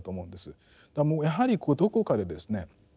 もうやはりどこかでですね